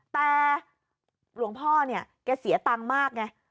แต่หลวงพ่อเนี่ยแกเสียตังค์มากไง